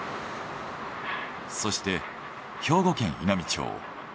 そして兵庫県・稲美町。